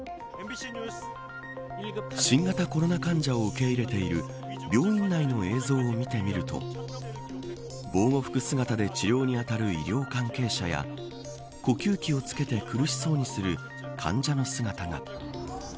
新型コロナ患者を受け入れている病院内の映像を見てみると防護服姿で治療にあたる医療関係者や呼吸器をつけて苦しそうにする患者の姿が。